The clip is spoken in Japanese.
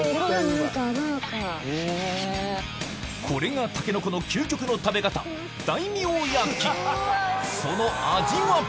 これがタケノコの究極の食べ方その味は？